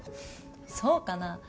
そうかなあ？